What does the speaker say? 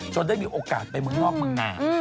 ได้มีโอกาสไปเมืองนอกเมืองนา